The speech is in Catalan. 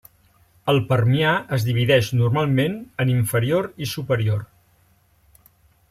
El Permià es divideix normalment en inferior i superior.